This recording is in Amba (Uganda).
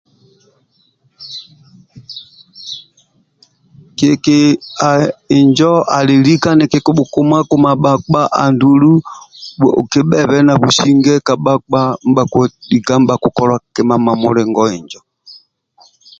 njo kilike nikibhukumakuma bakpa andulu kibhebhe na businge ka bakpa ndibha kilika nibha kikoka mamulingo injo